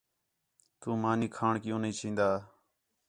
تُو مانی کھاݨ کیوں نھیں چین٘دا